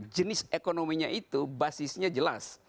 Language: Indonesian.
jenis ekonominya itu basisnya jelas